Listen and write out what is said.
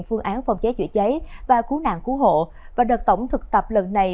phương án phòng cháy chữa cháy và cứu nạn cứu hộ và đợt tổng thực tập lần này